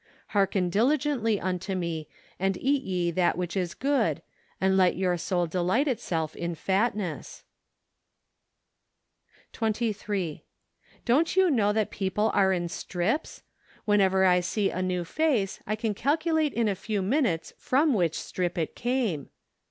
hearken diligently unto me, an.l eat ye that which is good , and let your soul delight itself in fatness ." 119 OCTOBER. 23. Don't you know that people are in strips ? Whenever I see a new face I can calculate in a few minutes from which strip it came.